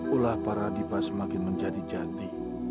ulah para adibas semakin menjadi jati